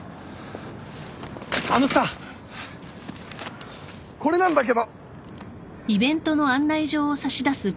あのさこれなんだけど！